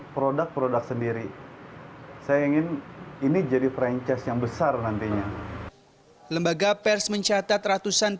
produk produk sendiri saya ingin ini jadi franchise yang besar nantinya lembaga pers mencatat ratusan